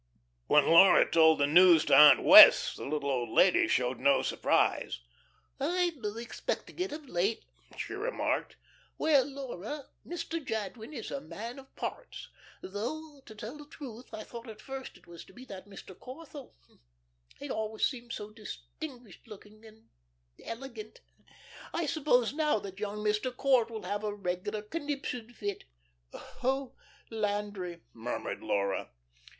When Laura told the news to Aunt Wess' the little old lady showed no surprise. "I've been expecting it of late," she remarked. "Well, Laura, Mr. Jadwin is a man of parts. Though, to tell the truth, I thought at first it was to be that Mr. Corthell. He always seemed so distinguished looking and elegant. I suppose now that that young Mr. Court will have a regular conniption fit." "Oh, Landry," murmured Laura.